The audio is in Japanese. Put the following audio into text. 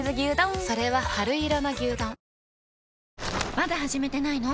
まだ始めてないの？